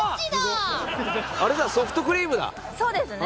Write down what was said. そうですね。